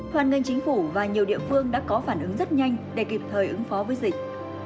hoàn ngành chính phủ và nhiều địa phương đã có phản ứng rất nhanh để kịp thời ứng phó với dịch